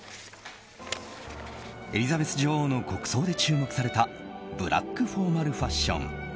エリザベス女王の国葬で注目されたブラックフォーマルファッション。